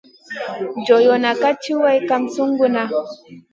Joriona ka tchi wayn kam sunguda.